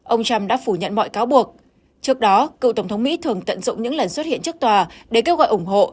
ông trump đã phủ nhận mọi cáo buộc trước đó cựu tổng thống mỹ thường tận dụng những lần xuất hiện trước tòa để kêu gọi ủng hộ